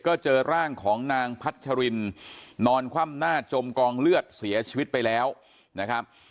ก็เจอร่างของนางพัชรินนอนคว่ำหน้าจมกองเลือดเสียชีวิตไปแล้วนะครับ